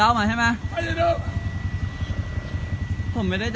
ว่าวาอะไรตัวเองท้นผมน่าแท้